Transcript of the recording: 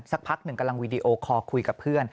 สักพักหนึ่งกำลังวีดีโอคอลคุยกับเพื่อน